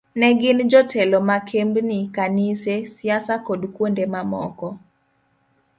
Ne gin jotelo ma kembni, kanise, siasa kod kuonde ma moko.